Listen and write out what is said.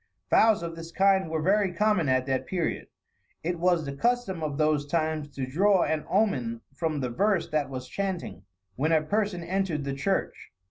Vows of this kind were very common at that period. It was the custom of those times to draw an omen from the verse that was chanting, when a person entered the church.